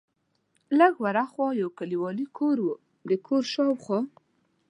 لږ ور ها خوا یو کلیوالي کور و، د کور شاوخوا.